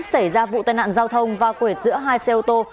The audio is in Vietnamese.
xảy ra vụ tai nạn giao thông va quệt giữa hai xe ô tô